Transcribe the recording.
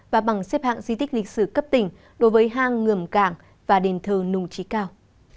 và bằng xếp hạng di tích lịch sử cấp tỉnh đối với hang ngầm cảng và đền thờ nùng trí cao